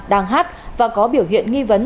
đang hát và có biểu hiện nghi vấn